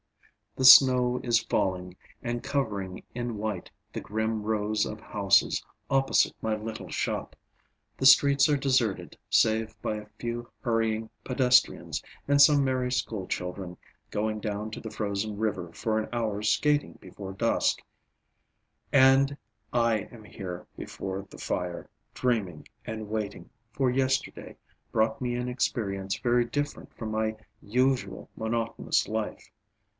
The snow is falling and covering in white the grim rows of houses opposite my little shop, the streets are deserted save by a few hurrying pedestrians and some merry school children going down to the frozen river for an hour's skating before dusk AND I am here before the fire, dreaming and waiting, for yesterday brought me an experience very different from my usual monotonous life.